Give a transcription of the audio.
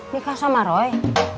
nikah sama roy